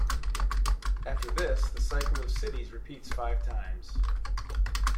After this, the cycle of cities repeats five times.